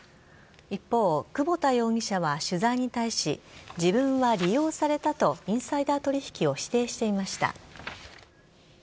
一方、久保田容疑者は取材に対し、自分は利用されたとインサイダー取り引きを否定していました。